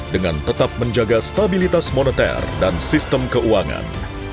dengan tetap menjaga stabilitas moneter dan sistem keuangan